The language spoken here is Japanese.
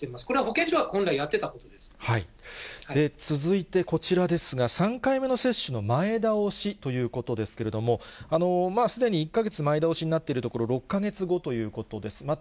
これは保健所が本来やっていたこ続いてこちらですが、３回目の接種の前倒しということですけれども、すでに１か月前倒しになっているところ、６か月後ということです。